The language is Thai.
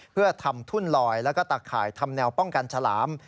เพื่อทำทุ่นลอยแล้วก็ตาข่ายทำแนวป้องกันฉลาม